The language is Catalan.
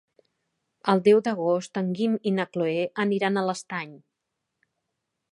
El deu d'agost en Guim i na Cloè aniran a l'Estany.